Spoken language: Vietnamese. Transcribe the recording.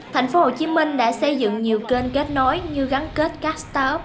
thành phố hồ chí minh đã xây dựng nhiều kênh kết nối như gắn kết các start up